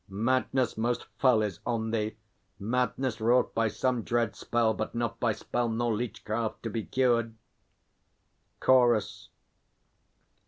Madness most fell Is on thee, madness wrought by some dread spell, But not by spell nor leechcraft to be cured! CHORUS.